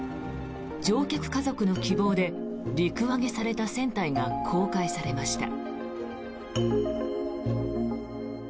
乗客家族の希望で陸揚げされた船体が公開されました。